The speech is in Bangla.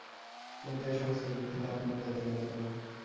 কিন্তু এ-সমস্ত যুক্তি তাহার কোনো কাজে লাগিত না।